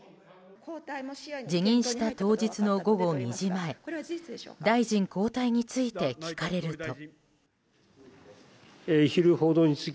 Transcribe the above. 辞任した当日の午後２時前大臣交代について聞かれると。